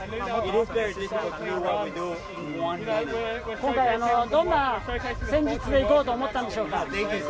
今回、どんな戦術で行こうと思ったんでしょうか？